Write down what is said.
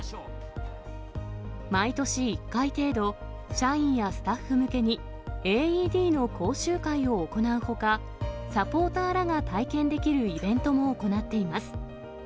毎年１回程度、社員やスタッフ向けに、ＡＥＤの講習会を行うほか、サポーターらが体験できるイベントも行っています。